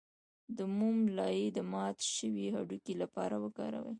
د موم لایی د مات شوي هډوکي لپاره وکاروئ